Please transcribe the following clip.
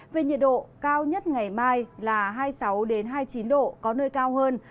về nhiệt độ cao nhất ngày mai là hai mươi sáu hai mươi chín độ có nơi cao hơn